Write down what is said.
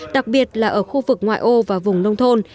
đặc biệt là ở khu vực ngoại ô và vùng nông thôn